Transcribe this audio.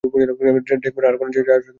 ড্রেগমোরে আর কোন জাহাজ কখনও নোঙর ফেলেনি।